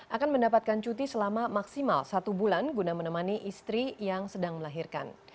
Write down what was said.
akan mendapatkan cuti selama maksimal satu bulan guna menemani istri yang sedang melahirkan